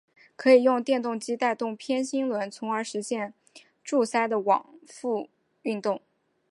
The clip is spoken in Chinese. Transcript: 可以用电动机带动偏心轮从而实现柱塞的往复运动。